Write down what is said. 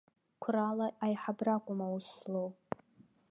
Қәрала аиҳабра акәым аус злоу.